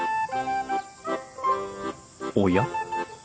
おや？